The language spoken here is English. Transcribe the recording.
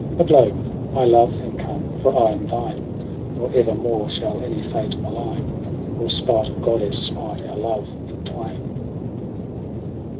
But lo ! I, love, am come, for I am thine : Nor ever more shall any fate malign. Or spite of goddess smite our love in twain.